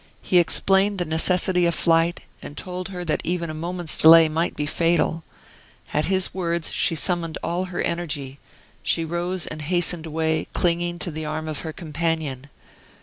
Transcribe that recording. He explained the necessity of flight, and told her that even a moment's delay might be fatal. At his words, she summoned all her energy; she rose and hastened away, clinging to the arm of her companion.